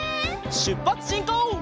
しゅっぱつしんこう！